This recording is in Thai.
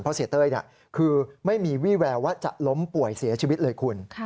เพราะเสียเต้ยคือไม่มีวี่แววว่าจะล้มป่วยเสียชีวิตเลยคุณ